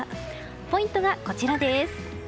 ポイントはこちらです。